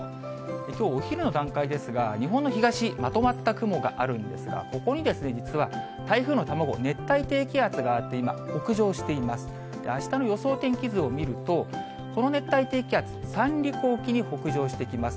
きょうお昼の段階ですが、日本の東、まとまった雲があるんですが、ここに実は台風の卵、熱帯低気圧があって、今、北上しています。